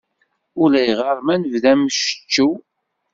Ulayɣer ma nebda-d ammectcew.